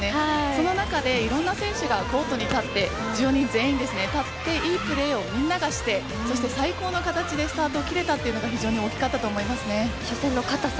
その中でいろんな選手がコートに立って１０人全員立っていいプレーをみんながしてそして最高の形でスタートを切れたというのが非常に多かったと思います。